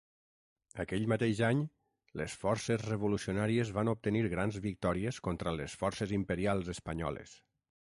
Aquell mateix any, les forces revolucionàries van obtenir grans victòries contra les forces imperials espanyoles.